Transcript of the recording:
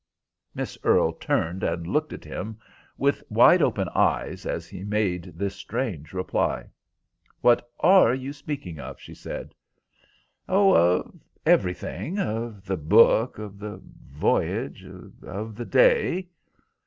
Miss Earle turned and looked at him with wide open eyes, as he made this strange reply. "What are you speaking of?" she said. "Oh, of everything—of the book, of the voyage, of the day."